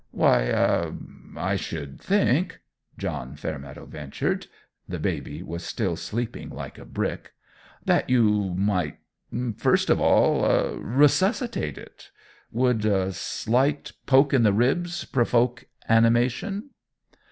"Why, ah I should think," John Fairmeadow ventured the baby was still sleeping like a brick "that you might first of all ah resuscitate it. Would a a slight poke in the ribs provoke animation?"